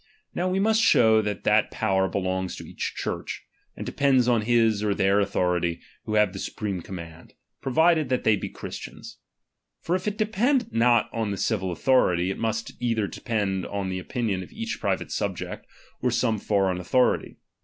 Now we must show that that power belongs to each Church ; and depends on his or their authority who have the supreme command, provided that they be Christians. For if it depend not on the civil an thority, it must either depend on the opinion of each private subject, or some foreign authority.